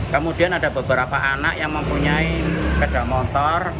kemudian ada beberapa anak yang mempunyai sepeda motor